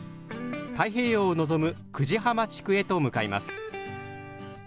太平洋を望む久慈浜地区へと向かいます。